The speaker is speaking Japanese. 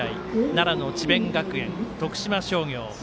奈良の智弁学園、徳島商業。